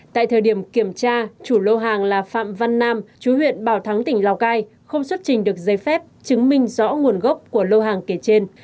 tại thời điểm kiểm tra chủ lô hàng là phạm văn nam chú huyện bảo thắng tỉnh lào cai không xuất trình được giấy phép chứng minh rõ nguồn gốc của lô hàng kể trên